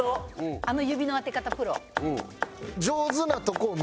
あの指の当て方プロ。